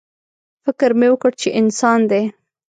_فکر مې وکړ چې انسان دی.